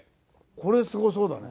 これすごそうだね。